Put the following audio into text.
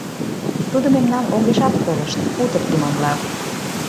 Тудо мемнам огешат колышт, утыр туманла: